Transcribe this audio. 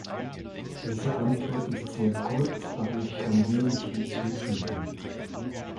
Diese Antwort ist sehr kurz, aber ich kann wenig hinzufügen.